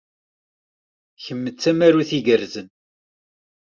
Kemm d tamarut igerrzen.